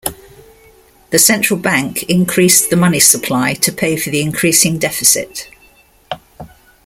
The Central Bank increased the money supply to pay for the increasing deficit.